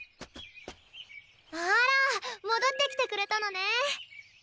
あら戻ってきてくれたのね。